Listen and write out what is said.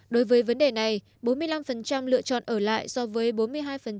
đối với vấn đề này bốn mươi năm lựa chọn ở lại so với bốn mươi năm của người dân anh